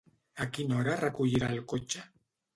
A quina hora recollirà el cotxe?